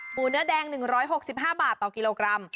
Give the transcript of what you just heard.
เนื้อแดง๑๖๕บาทต่อกิโลกรัม